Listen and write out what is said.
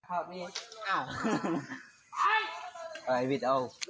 เออมาทุวีเออ